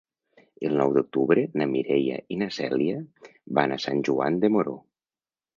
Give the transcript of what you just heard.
El nou d'octubre na Mireia i na Cèlia van a Sant Joan de Moró.